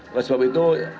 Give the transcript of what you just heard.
oleh sebab itu